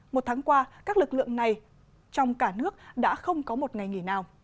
một tháng qua các lực lượng này trong cả nước đã không có một ngày nghỉ nào